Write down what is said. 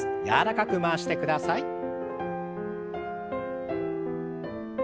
柔らかく回してください。